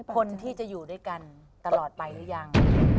คนที่จะอยู่ด้วยกันตลอดไปหรือยัง